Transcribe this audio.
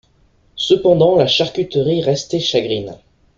Cependant, la charcuterie restait chagrine.